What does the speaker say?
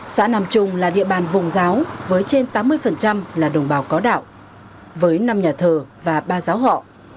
xã nam trung là địa bàn vùng giáo với trên tám mươi là đồng bào có đạo với năm nhà thờ và ba giáo họ